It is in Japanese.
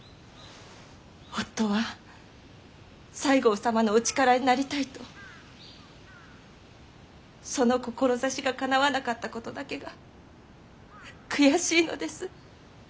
夫は西郷様のお力になりたいとその志がかなわなかったことだけが悔しいのです。